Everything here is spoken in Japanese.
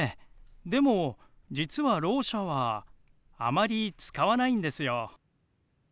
でも実はろう者はあまり使わないんですよ。